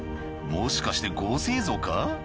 もしかして合成映像か？